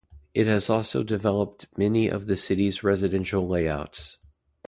It has also developed many of the city's residential layouts.